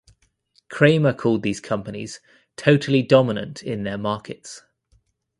Cramer called these companies "totally dominant in their markets".